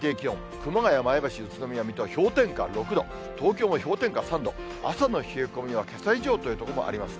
熊谷、前橋、宇都宮、水戸は氷点下６度、東京も氷点下３度、朝の冷え込みは、けさ以上というとこもありますね。